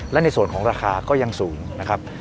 และในส่วนของราคาก็ยังสูงนะครับ